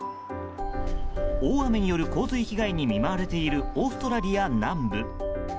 大雨による洪水被害に見舞われているオーストラリア南部。